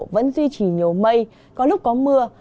vẫn duy trì nhiều mây có lúc có mưa